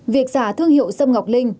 việc giả thương hiệu sâm ngọc linh